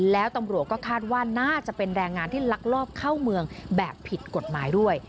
แล้วตำรวจก็คาดว่าน่าจะเป็นแรงงานที่ลักลอบเข้าเมืองแบบผิดกฎหมายด้วย